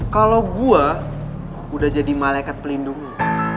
kalau gue udah jadi malaikat pelindung lo